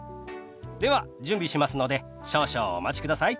では準備しますので少々お待ちください。